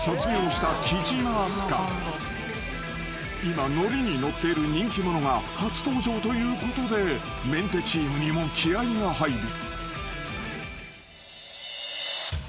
［今乗りに乗っている人気者が初登場ということでメンテチームにも気合が入る］